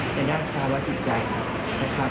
ในด้านสเปราะว่าจิตใจนะครับ